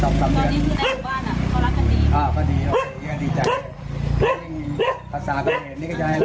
ใช่ตอนนี้บนแห่งหมู่บ้านเขารักกันดี